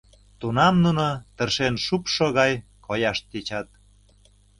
Тунам нуно тыршен шупшшо гай кояш тӧчат.